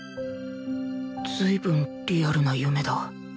随分リアルな夢だ